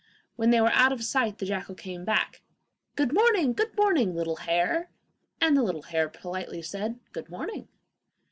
When they were out of sight the jackal came back. 'Good morning! good morning, little hare,' and the little hare politely said, 'Good morning.